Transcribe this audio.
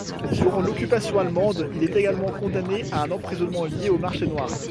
Durant l'Occupation allemande, il est également condamné à un emprisonnement lié au marché noir.